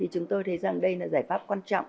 chúng tôi thấy rằng đây là giải pháp quan trọng